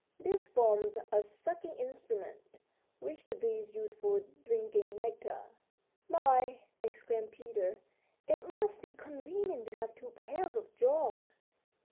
This forms a sucking instrument, which the bees use for drinking nectar." "My," exclaimed Peter, "it must be convenient to have two pairs of jaws!"